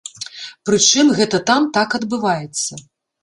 Прычым, гэта там так адбываецца.